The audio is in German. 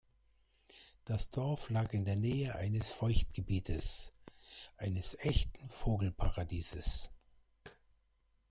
Das Dorf lag in der Nähe eines Feuchtgebietes – eines echten Vogelparadieses.